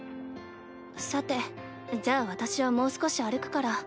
さてじゃあ私はもう少し歩くから。